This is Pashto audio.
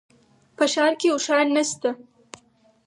په ښار کي اوښان نشته